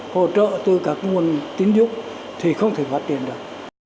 hỗ trợ từ các nguồn tín dụng thì không thể phát triển được